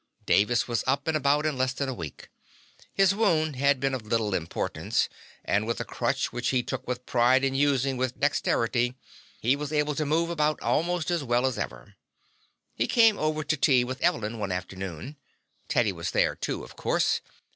Davis was up and about in less than a week. His wound had been of little importance, and with a crutch which he took pride in using with dexterity he was able to move around almost as well as ever. He came over to tea with Evelyn one afternoon. Teddy was there, too, of course.